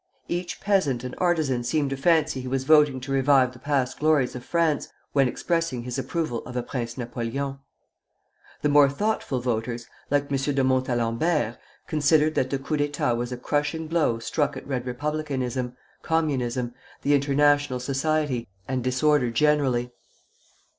Each peasant and artisan seemed to fancy he was voting to revive the past glories of France, when expressing his approval of a Prince Napoleon. The more thoughtful voters, like M. de Montalembert, considered that the coup d'état was a crushing blow struck at Red Republicanism, Communism, the International Society, and disorder generally.